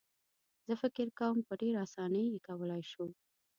زه فکر کوم په ډېره اسانۍ یې کولای شو.